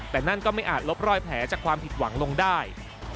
แต่นั่นก็ไม่อาจลบรอยแผลจากความผิดหวังลงได้